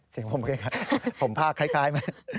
เสียงผมคล้ายผมภาคคล้ายไหม